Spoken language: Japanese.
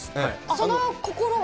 その心は？